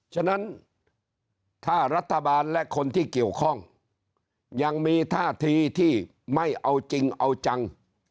ฉะนั้นถ้ารัฐบาลและคนที่เกี่ยวข้องยังมีท่าทีที่ไม่เอาจริงเอาจัง